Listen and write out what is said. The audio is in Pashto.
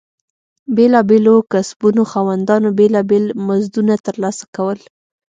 بېلابېلو کسبونو خاوندانو بېلابېل مزدونه ترلاسه کول.